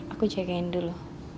aku jagain dulu